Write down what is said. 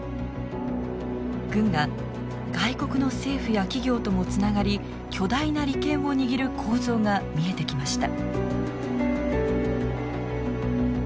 軍が外国の政府や企業ともつながり巨大な利権を握る構造が見えてきました。